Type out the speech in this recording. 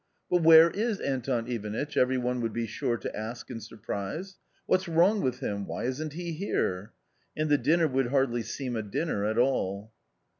"But where is Anton Ivanitch ?" every one would be sure to ask in surprise. " What's wrong with him ?— why isn't he here ?" And the dinner would hardly seem a dinner at all.